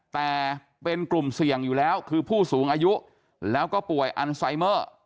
แต่เป็นกลุ่มเสี่ยงอยู่แล้วคือผู้สูงอายุแล้วก็ป่วยอันไซเมอร์